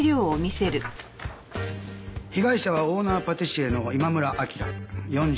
被害者はオーナーパティシエの今村明４１歳。